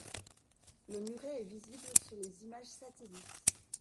Le muret est visible sur les images satellites.